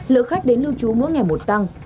lượng khách đến lưu trú mỗi ngày một tăng